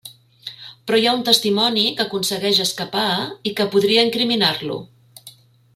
Però hi ha un testimoni que aconsegueix escapar i que podria incriminar-lo.